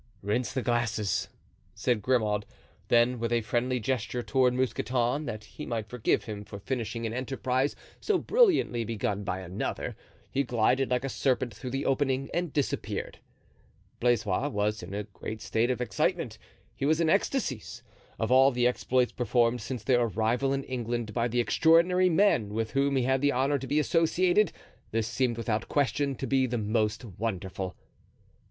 "Rinse the glasses," said Grimaud. Then with a friendly gesture toward Mousqueton, that he might forgive him for finishing an enterprise so brilliantly begun by another, he glided like a serpent through the opening and disappeared. Blaisois was in a state of great excitement; he was in ecstasies. Of all the exploits performed since their arrival in England by the extraordinary men with whom he had the honor to be associated, this seemed without question to be the most wonderful.